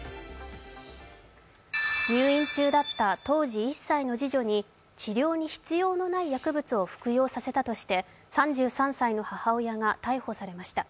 入院中だった当時１歳の次女に治療に必要のない薬物を服用させたとして３３歳の母親が逮捕されました。